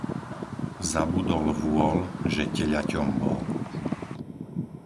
Zabudol vôl, že teľaťom bol.